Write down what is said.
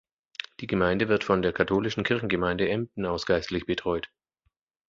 Die Gemeinde wird von der Katholischen Kirchengemeinde Emden aus geistlich betreut.